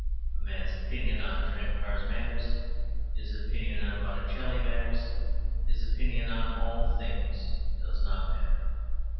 A man's opinion on tramcars matters; his opinion on Botticelli matters; his opinion on all things does not matter.